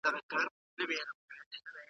د ماشومانو وزن په زیږون کې اغیز لري.